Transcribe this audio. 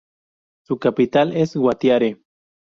Su capital es Guatire.